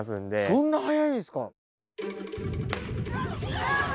そんな速いんですか！？